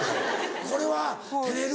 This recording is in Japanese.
これは照れる。